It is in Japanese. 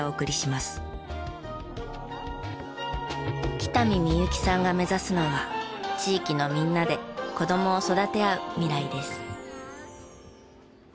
北見みゆきさんが目指すのは地域のみんなで子どもを育て合う未来です。